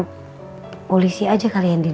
polisi aja kali ya indin